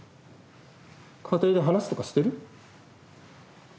家庭で話とかしてる？